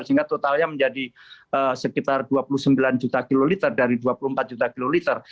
sehingga totalnya menjadi sekitar dua puluh sembilan juta kiloliter dari dua puluh empat juta kiloliter